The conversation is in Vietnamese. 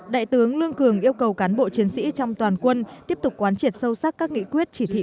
đại tướng lương cường yêu cầu cán bộ chiến sĩ trong toàn quân tiếp tục quán triệt sâu sắc các nghị quyết chỉ thị